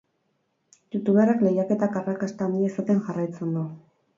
Youtuberrak lehiaketak arrakasta handia izaten jarraitzen du.